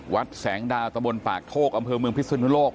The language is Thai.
วัดแสงดาวตะบนปากโทกอำเภอเมืองพิศนุโลก